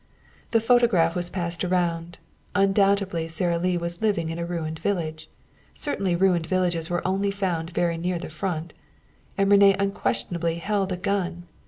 The photograph was passed around. Undoubtedly Sara Lee was living in a ruined village. Certainly ruined villages were only found very near the Front. And René unquestionably held a gun.